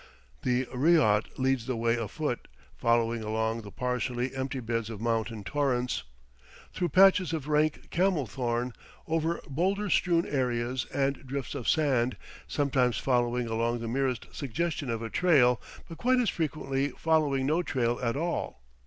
The ryot leads the way afoot, following along the partially empty beds of mountain torrents, through patches of rank camel thorn, over bowlder strewn areas and drifts of sand, sometimes following along the merest suggestion of a trail, but quite as frequently following no trail at all.